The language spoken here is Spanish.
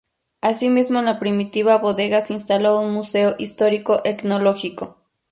Asimismo, en la primitiva bodega se instaló un museo histórico-etnológico.